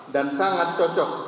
dan sangat cocok